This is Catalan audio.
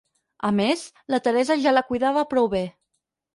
A més, la Teresa ja la cuidava prou bé.